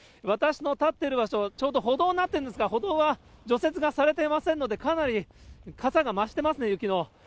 私の立っている場所、ちょうど歩道になってるんですが、歩道は除雪がされていませんので、かなり、かさが増してますね、雪の。